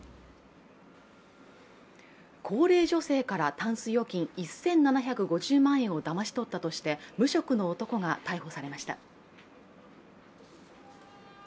高齢女性からタンス預金１７５０万円をだまし取ったとして無職の男が逮捕されました。